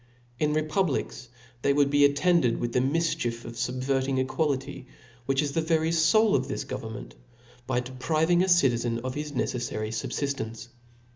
In republics they wdyld be attended with the mifchief of fubverting equality, which is the very foul of this government, by depriving a citizen of his neceffary fubfiftence.